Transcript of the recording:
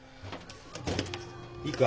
いいか？